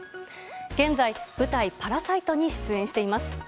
現在、舞台「パラサイト」に出演しています。